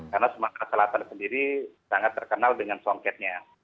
karena sumatera selatan sendiri sangat terkenal dengan songketnya